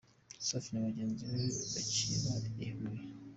Safi na bagenzi be bakiba i Huye.